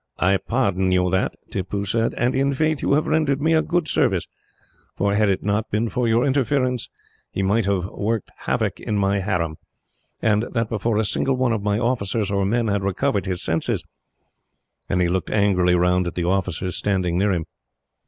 "I pardon you that," Tippoo said; "and in faith you have rendered me good service, for had it not been for your interference, he might have worked havoc in my harem, and that before a single one of my officers or men had recovered his senses;" and he looked angrily round at the officers standing near him.